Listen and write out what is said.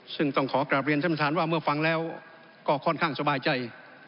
ซึ่งต้องขอกลับเลือนท่านมาฝังแล้วก็ค่อนข้างสบายใจ